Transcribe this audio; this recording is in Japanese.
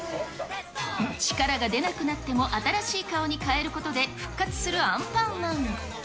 力が出なくなっても新しい顔に変えることで復活するアンパンマン。